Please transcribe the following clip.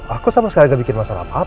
aku sama sekali gak bikin masalah apa apa